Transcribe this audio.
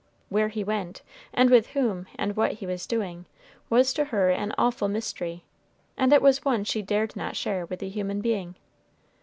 Where he went, and with whom, and what he was doing, was to her an awful mystery, and it was one she dared not share with a human being.